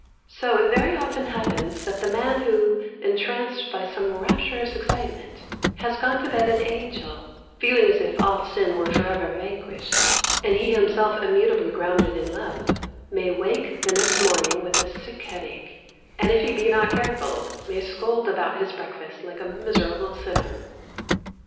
So it very often happens that the man who, entranced by some rapturous excitement, has gone to bed an angel, feeling as if all sin were for ever vanquished, and he himself immutably grounded in love, may wake the next morning with a sick headache; and if he be not careful may scold about his breakfast like a miserable sinner.